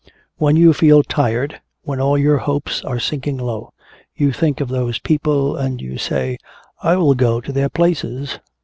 When you feel tired, when all your hopes are sinking low, you think of those people and you say, 'I will go to their places.'